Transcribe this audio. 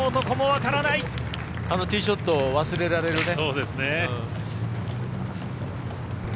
あのティーショットを忘れられるね。